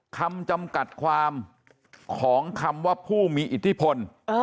คำจำกัดความของคำว่าผู้มีอิทธิพล